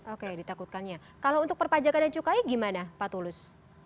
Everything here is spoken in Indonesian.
oke ditakutkannya kalau untuk perpajakan dan cukai gimana pak tulus